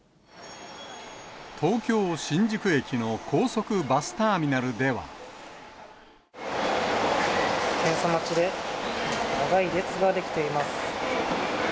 東京・新宿駅の高速バスター検査待ちで、長い列が出来ています。